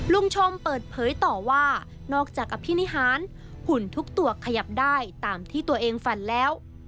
ชมเปิดเผยต่อว่านอกจากอภินิหารหุ่นทุกตัวขยับได้ตามที่ตัวเองฝันแล้ว